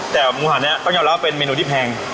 แต่มุหั่นนี่ต้องยอมเป็นเมนูที่แพง